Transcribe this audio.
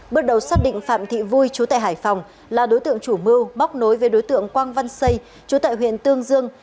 bước đầu xác định phạm thị vui chú tại hải phòng là đối tượng chủ mưu bóc nối với đối tượng quang văn xây chú tại huyện tương dương